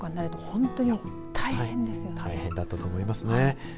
大変だったと思いますね。